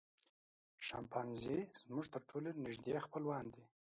شامپانزي زموږ تر ټولو نږدې خپلوان دي.